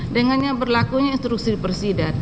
dengannya berlakunya instruksi presiden